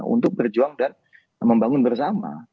untuk berjuang dan membangun bersama